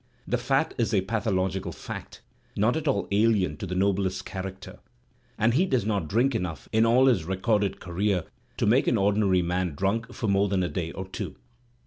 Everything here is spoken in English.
The fat is a patho logical fact not at all alien to the noblest character, and he does not drink enough in all his recorded career to make an ordinary man drunk for more than a day or two.